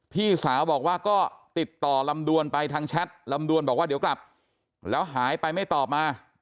พี่สาวบอกว่าก็ติดต่อลำดวนไปทางแชทลำดวนบอกว่าเดี๋ยวกลับแล้วหายไปไม่ตอบมา